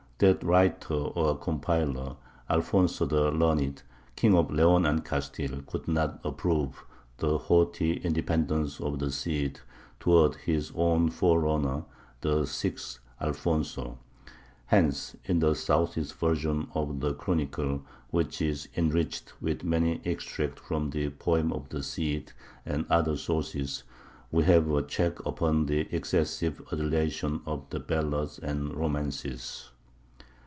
That writer or compiler, Alfonso the Learned, King of Leon and Castile, could not approve the haughty independence of the Cid towards his own forerunner the sixth Alfonso. Hence in Southey's version of the Chronicle (which is enriched with many extracts from the Poem of the Cid and other sources) we have a check upon the excessive adulation of the ballads and romances.